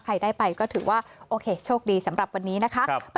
ใครได้ไปก็ถือว่าโอเคโชคดีสำหรับวันนี้นะคะ